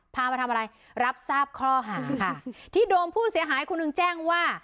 มาทำอะไรรับทราบข้อหาค่ะที่โดมผู้เสียหายคนหนึ่งแจ้งว่า